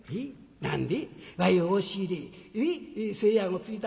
「何で？」。